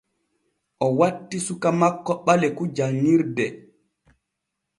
O watti suka makko Ɓaleku janŋirde.